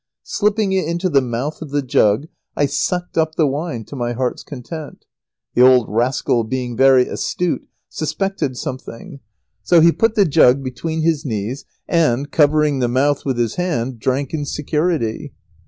Slipping it into the mouth of the jug I sucked up the wine to my heart's content. The old rascal, being very astute, suspected something. So he put the jug between his knees and, covering the mouth with his hand, drank in security.